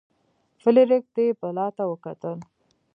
فلیریک دې بلا ته وکتل.